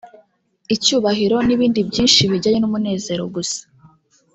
icyubahiro n’ibindi byinshi bijyanye n’umunezero gusa